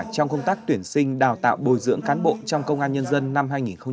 trong công tác tuyển sinh đào tạo bồi dưỡng cán bộ trong công an nhân dân năm hai nghìn hai mươi